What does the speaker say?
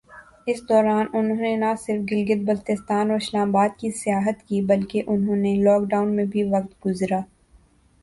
اس دوران انھوں نے نہ صرف گلگت بلستان اور اسلام آباد کی سیاحت کی بلکہ انھوں نے لاک ڈاون میں وقت بھی گزرا۔